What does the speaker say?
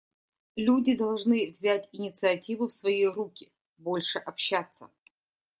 Люди должны взять инициативу в свои руки, больше общаться.